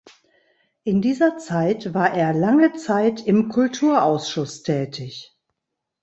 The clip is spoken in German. In dieser Zeit war er lange Zeit im Kulturausschuss tätig.